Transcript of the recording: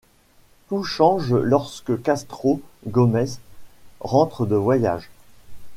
Tout change lorsque Castro Gomes rentre de voyage.